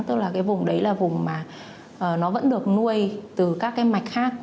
tức là cái vùng đấy là vùng mà nó vẫn được nuôi từ các cái mạch khác